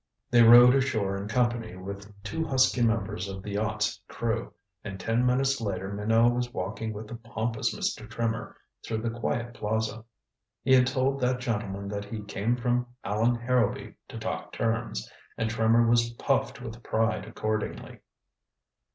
They rowed ashore in company with two husky members of the yacht's crew, and ten minutes later Minot was walking with the pompous Mr. Trimmer through the quiet plaza. He had told that gentleman that he came from Allan Harrowby to talk terms, and Trimmer was puffed with pride accordingly.